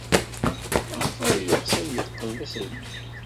Maɣef ay yeɣs ad yeqqel d aselmad?